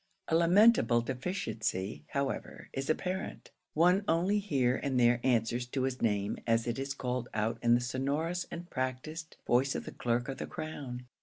A lamentable deficiency, however, is apparent; one only here and there answers to his name as it is called out in the sonorous and practised voice of the clerk of the crown.